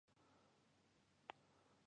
ته کنګڼ ،سيره، پايل، لاسبندي پيژنې